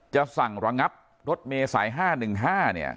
จะสั่งระงับรถเมย์สาย๕๑๕เนี่ย